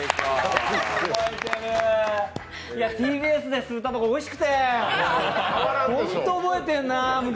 ＴＢＳで吸うたばこおいしくてホント覚えてるな、昔。